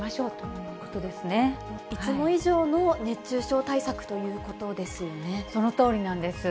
いつも以上の熱中症対策といそのとおりなんです。